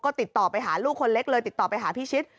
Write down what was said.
ก็ติดต่อไปหาลูกคนเล็กเลยติดต่อไปหาพิชิต